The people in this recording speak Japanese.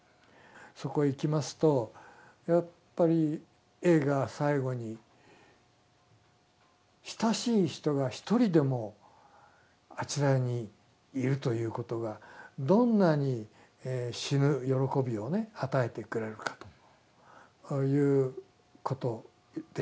そこへ行きますとやっぱりＡが最後に親しい人が一人でもあちらにいるということがどんなに死ぬ喜びをね与えてくれるかということでしたね。